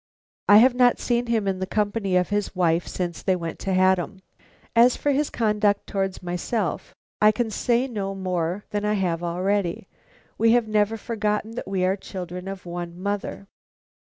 "I have not seen him in the company of his wife since they went to Haddam. As for his conduct towards myself, I can say no more than I have already. We have never forgotten that we are children of one mother."